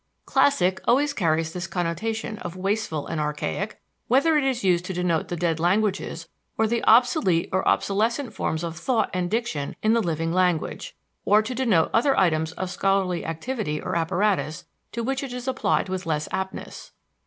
"Classic" always carries this connotation of wasteful and archaic, whether it is used to denote the dead languages or the obsolete or obsolescent forms of thought and diction in the living language, or to denote other items of scholarly activity or apparatus to which it is applied with less aptness.